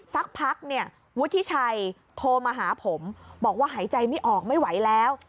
สักพักเนี่ยวุฒิชัยโทรมาหาผมบอกว่าหายใจไม่ออกไม่ไหวแล้ว